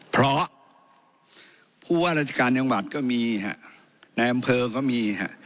เพราะผู้ว่าราชการจังหวัดก็มีฮะในอำเภอก็มีฮะ